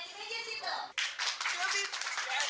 oke menjadikan selanjutnya kita panggilkan